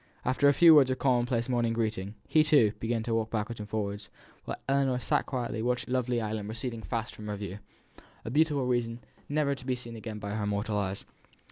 After a few words of common place morning greeting, he, too, began to walk backwards and forwards, while Ellinor sat quietly watching the lovely island receding fast from her view a beautiful vision never to be seen again by her mortal eyes.